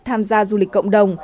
tham gia du lịch cộng đồng